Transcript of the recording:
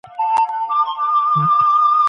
د ټولني غړي هم ځانګړي نقشونه لري.